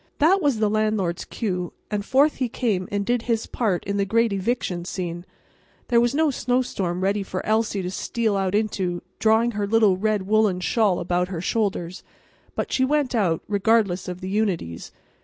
That was the landlord's cue; and forth he came and did his part in the great eviction scene. There was no snowstorm ready for Elsie to steal out into, drawing her little red woollen shawl about her shoulders, but she went out, regardless of the unities.